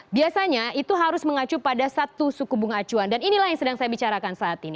biasanya itu harus mengacu pada satu suku bunga acuan dan inilah yang sedang saya bicarakan saat ini